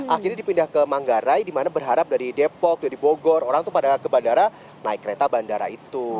akhirnya dipindah ke manggarai dimana berharap dari depok dari bogor orang itu pada ke bandara naik kereta bandara itu